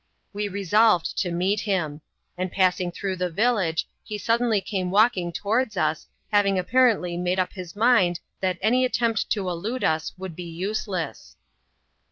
We resolved to meet him ; and passing through the vil lage, he suddenly came walking towards us, having apparently made up his mind that any attempt to elude us would be useless.